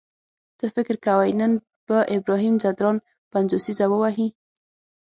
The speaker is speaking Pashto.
څه فکر کوئ نن به ابراهیم ځدراڼ پنځوسیزه ووهي؟